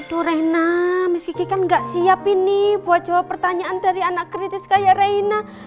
aduh rena miss kiki kan gak siap ini buat jawab pertanyaan dari anak kritis kayak rena